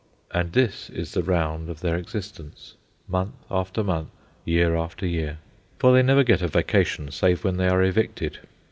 And this is the round of their existence, month after month, year after year, for they never get a vacation save when they are evicted.